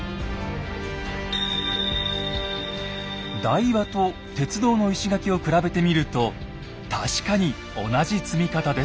台場と鉄道の石垣を比べてみると確かに同じ積み方です。